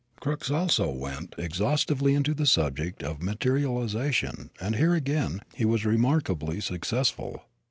Crookes also went exhaustively into the subject of materialization and here, again, he was remarkably successful.